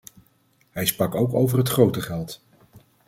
Hij sprak ook over het grote geld.